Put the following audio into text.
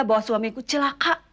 bahwa suamiku celaka